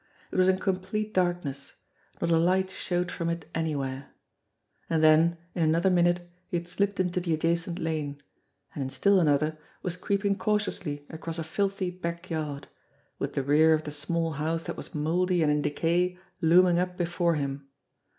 It was in complete darkness; not a light showed from it anywhere. And then in another minute he had slipped into the adjacent lane, and in still another was creeping cautiously across a filthy back yard with the rear of the small house that was mouldy and in decay looming up before him.